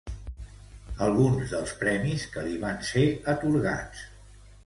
Alguns dels premis que li van ser atorgats.